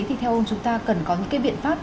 thì theo ông chúng ta cần có những cái biện pháp